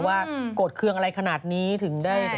โกรธเครื่องอะไรขนาดนี้ถึงได้